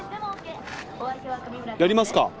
やりますか！